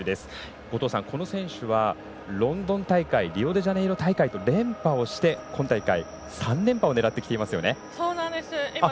後藤さん、この選手はロンドン大会リオデジャネイロ大会と連覇をして、今大会３連覇を狙ってきていますよね。